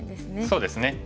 そうですね。